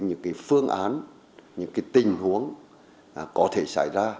những phương án những tình huống có thể xảy ra